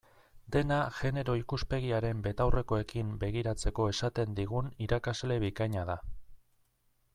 Dena genero ikuspegiaren betaurrekoekin begiratzeko esaten digun irakasle bikaina da.